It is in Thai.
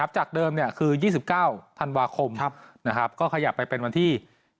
จากเดิมคือ๒๙ธันวาคมก็ขยับไปเป็นวันที่